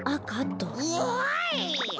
おい！